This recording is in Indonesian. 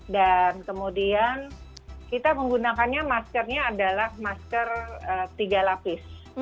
dan kemudian kita menggunakannya maskernya adalah masker tiga lapis